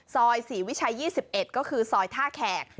ซอยศรีวิชัย๒๑ก็คือซอยท่าแขก